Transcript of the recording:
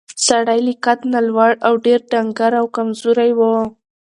سړی له قد نه لوړ او ډېر ډنګر او کمزوری و.